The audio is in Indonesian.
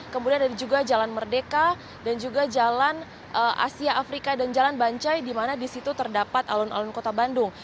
kemudian ada juga jalan merdeka dan juga jalan asia afrika dan jalan bancai di mana di situ terdapat alun alun kota bandung